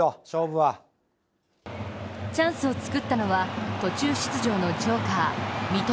チャンスを作ったのは途中出場のジョーカー、三笘。